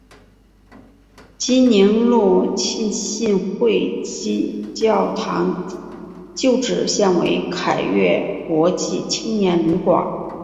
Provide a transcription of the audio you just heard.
济宁路浸信会教堂旧址现为凯越国际青年旅馆。